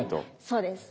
そうです。